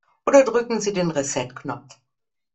Oder drücken Sie den Reset-Knopf.